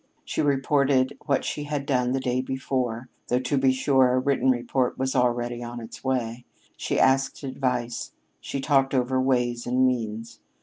She reported what she had done the day before (though, to be sure, a written report was already on its way), she asked advice, she talked over ways and means.